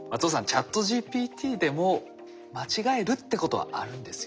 ＣｈａｔＧＰＴでも間違えるってことはあるんですよね。